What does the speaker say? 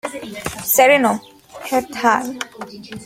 Sereno "et al.".